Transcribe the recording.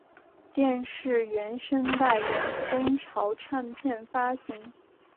电视原声带由风潮唱片发行。